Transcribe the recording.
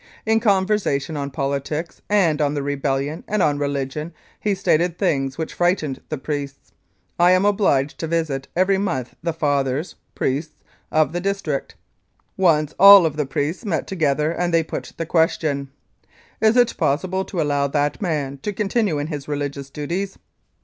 In conversation on politics and on the rebellion and on religion he stated things which frightened the priests. I am obliged to visit every month the fathers (priests) of the district. Once all of the priests met together, and they put the question : "Is it possible to allow that man to continue in his religious duties